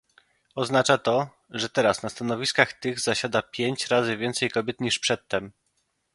Oznacza to, że teraz na stanowiskach tych zasiada pięć razy więcej kobiet niż przedtem